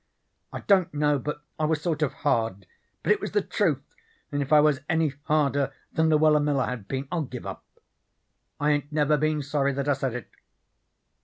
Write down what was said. I don't know but I was sort of hard, but it was the truth, and if I was any harder than Luella Miller had been I'll give up. I ain't never been sorry that I said it.